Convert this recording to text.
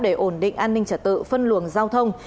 để ổn định an ninh trật tự phân luồng giao thông